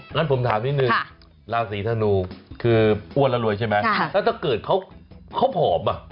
งั้นผมถามนิดนึงราศีธนูคืออ้วนแล้วรวยใช่ไหมแล้วถ้าเกิดเขาผอมอ่ะ